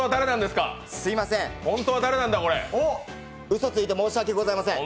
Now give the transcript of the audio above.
すみません、うそついて申し訳ございません。